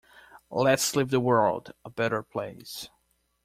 Let's leave the world a better place.